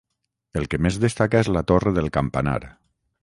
el que més destaca és la torre del campanar